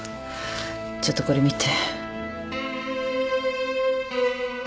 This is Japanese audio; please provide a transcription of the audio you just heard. ちょっとこれ見て。